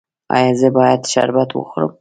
ایا زه باید شربت وخورم؟